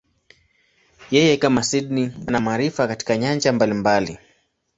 Yeye, kama Sydney, ana maarifa katika nyanja mbalimbali.